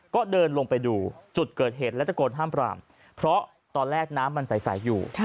ก็เดินลงไปดูจุดเกิดเหตุและตะโกนห้ามปรามเพราะตอนแรกน้ำมันใสอยู่